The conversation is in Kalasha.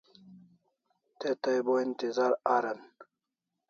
Te tai bo intizar aran